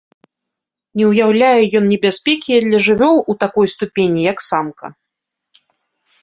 Не ўяўляе ён небяспекі і для жывёл у такой ступені, як самка.